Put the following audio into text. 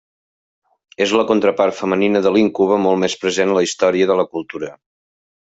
És la contrapart femenina de l'íncube, molt més present a la història de la cultura.